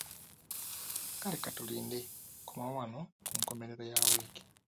Kale KATULINDE, komawo wano ku nkomerero Ya wiiki.